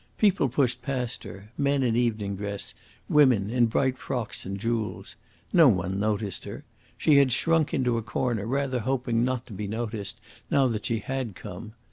People pushed past her men in evening dress, women in bright frocks and jewels. No one noticed her. She had shrunk into a corner, rather hoping not to be noticed, now that she had come.